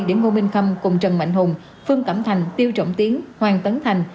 để ngô minh khâm cùng trần mạnh hùng phương cẩm thành tiêu trọng tiến hoàng tấn thành